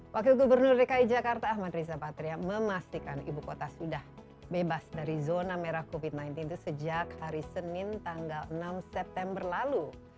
wakil gubernur dki jakarta ahmad riza patria memastikan ibu kota sudah bebas dari zona merah covid sembilan belas itu sejak hari senin tanggal enam september lalu